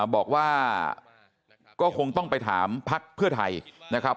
บอกว่าก็คงต้องไปถามพักเพื่อไทยนะครับ